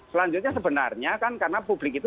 selanjutnya sebenarnya kan karena publik itu